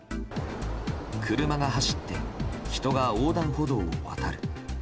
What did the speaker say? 車が走って、人が横断歩道を渡る。